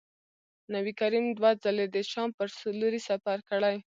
نبي کریم دوه ځلي د شام پر لوري سفر کړی.